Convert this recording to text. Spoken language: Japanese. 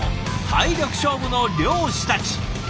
体力勝負の漁師たち。